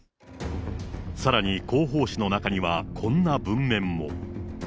さらに、広報誌の中にはこんな文面も。